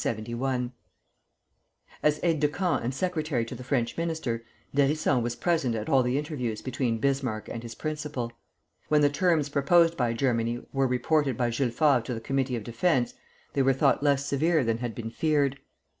As aide de camp and secretary to the French minister, d'Hérisson was present at all the interviews between Bismarck and his principal. When the terms, proposed by Germany were reported by Jules Favre to the Committee of Defence, they were thought less severe than had been feared.